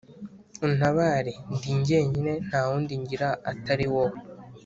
untabare ndi jyenyine, nta wundi ngira atari wowe,